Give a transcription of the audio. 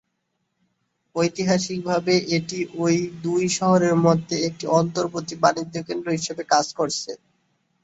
ঐতিহাসিকভাবে এটি ঐ দুই শহরের মধ্যে একটি অন্তর্বর্তী বাণিজ্যকেন্দ্র হিসেবে কাজ করেছে।